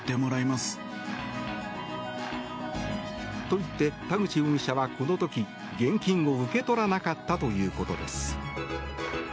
と言って、田口容疑者はこの時、現金を受け取らなかったということです。